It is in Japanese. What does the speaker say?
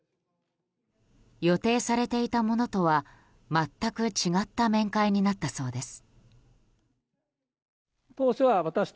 予定されていたものとは全く違った面会になったそうです。